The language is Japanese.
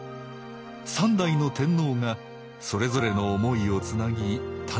三代の天皇がそれぞれの思いをつなぎ誕生した日本。